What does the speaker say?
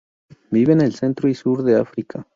Vive en el centro y el sur de África.